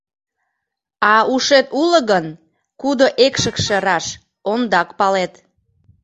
А ушет уло гын, кудо экшыкше раш — ондак палет.